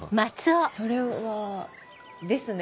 それは。ですね。